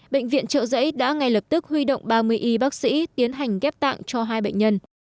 bệnh viện trợ giấy đã ngay lập tức huy động ba mươi y bác sĩ tiến hành ghép tạng cho hai bệnh nhân